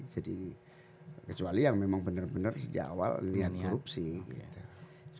jadi kecuali yang memang benar benar sejak awal niat korupsi gitu